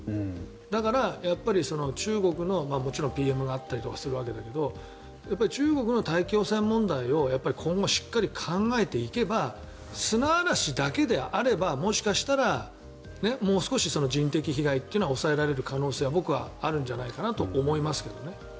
だから、中国のもちろんＰＭがあったりとかするわけだけど中国の大気汚染問題を今後、しっかり考えていけば砂嵐だけであればもしかしたらもう少し人的被害が抑えられる可能性は僕はあるんじゃないかなと思いますけどね。